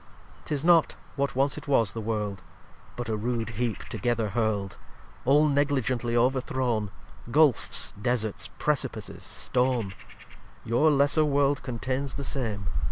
xcvi 'Tis not, what once it was, the World; But a rude heap together hurl'd; All negligently overthrown, Gulfes, Deserts, Precipices, Stone. Your lesser World contains the same.